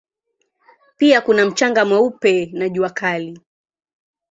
Pia kuna mchanga mweupe na jua kali.